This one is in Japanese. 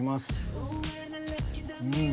うん！